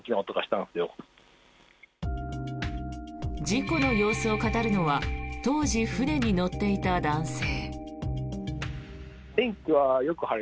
事故の様子を語るのは当時、船に乗っていた男性。